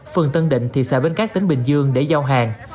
phường tân định thị xã bến cát tỉnh bình dương để giao hàng